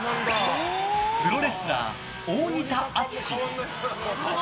プロレスラー、大仁田厚。